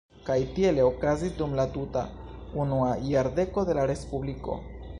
Kaj tiele okazis dum la tuta unua jardeko de la Respubliko.